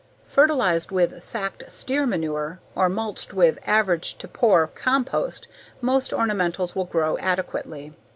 Fertilized with sacked steer manure or mulched with average to poor compost, most ornamentals will grow adequately.